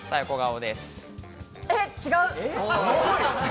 違う。